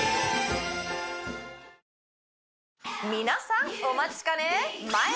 皆さんお待ちかねマ